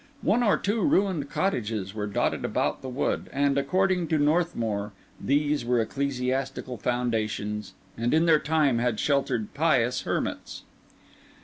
One or two ruined cottages were dotted about the wood; and, according to Northmour, these were ecclesiastical foundations, and in their time had sheltered pious hermits.